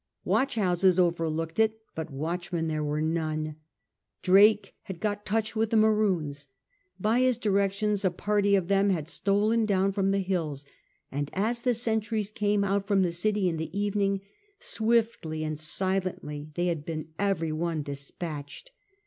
Watch houses overlooked it, but watchmen there were none. Drake had got touch with the Maroons. By his directions a party of* them had stolen down from the hills, and as the sentries came out from the city in the evening, swiftly and silently they had been every one despatched.